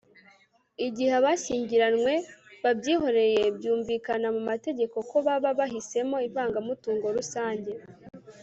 igihe abashyingiranywe babyihoreye byumvikana mu mategeko ko baba bahisemo ivangamutungo rusange